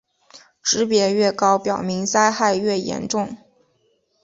级别越高表明灾害越严重。